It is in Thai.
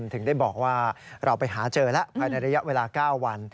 ถึงได้บอกว่าเราไปหาเจอแล้วภายในระยะเวลา๙วัน